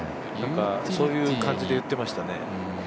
そういう感じで打ってましたね。